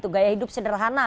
gaya hidup sederhana